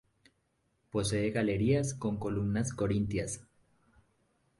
Posee galerías con columnas corintias.